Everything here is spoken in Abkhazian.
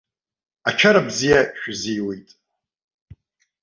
Ачара бзиа шәзиуит.